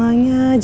aduh betul kabur